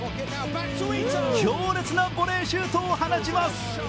強烈なボレーシュートを放ちます。